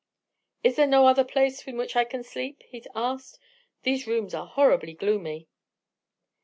"Is there no other place in which I can sleep?" he asked. "These rooms are horribly gloomy."